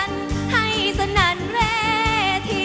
ก็จะมีความสุขมากกว่าทุกคนค่ะ